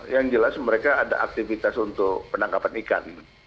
yang jelas mereka ada aktivitas untuk penangkapan ikan